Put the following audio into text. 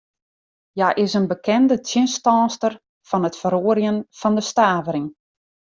Hja is in bekende tsjinstanster fan it feroarjen fan de stavering.